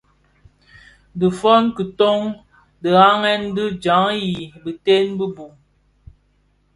Dhi fon kitoň didhagen di jaň i biteën bi bum,